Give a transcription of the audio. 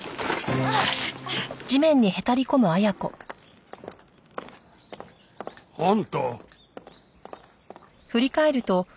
あっ。あんた。